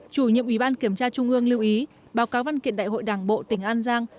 chủ nhiệm ủy ban kiểm tra trung ương lưu ý báo cáo văn kiện đại hội đảng bộ tỉnh an giang